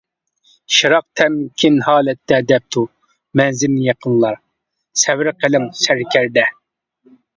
شىراق تەمكىن ھالەتتە دەپتۇ مەنزىل يېقىنلا، سەۋر قىلىڭ سەركەردە.